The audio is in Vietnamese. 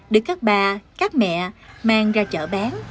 được các bà các mẹ mang ra chợ bán